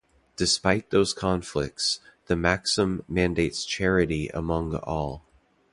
Despite those conflicts, the maxim mandates charity among all.